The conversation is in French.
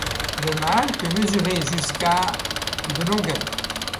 Le mâle peut mesurer jusqu'à de longueur.